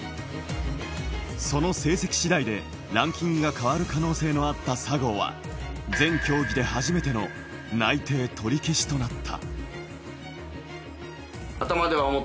その成績次第でランキングが変わる可能性のあった佐合は、全競技で初めての内定取り消しとなった。